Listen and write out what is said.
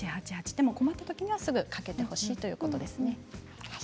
でも困ったときにはすぐにかけてほしいということですね。